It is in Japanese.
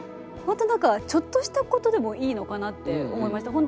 本当になんかちょっとしたことでもいいのかなって思いました。